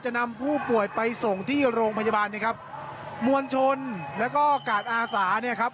นำผู้ป่วยไปส่งที่โรงพยาบาลนะครับมวลชนแล้วก็กาดอาสาเนี่ยครับ